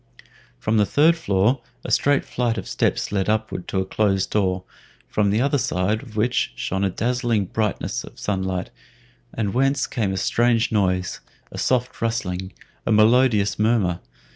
From the third floor a straight flight of steps led upward to a closed door, from the other side of which shone the dazzling brightness of sunlight, and whence came a strange noise a soft rustling, a melodious murmur.